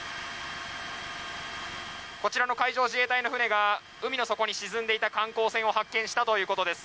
こちらの海上自衛隊の船が海の底に沈んでいた観光船を発見したということです。